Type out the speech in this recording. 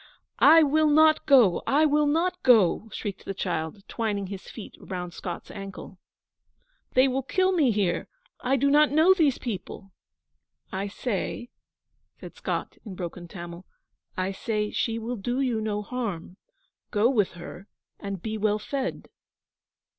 'I will not go I will not go!' shrieked the child, twining his feet round Scott's ankle. 'They will kill me here. I do not know these people.' 'I say,' said Scott, in broken Tamil, 'I say, she will do you no harm. Go with her and be well fed.'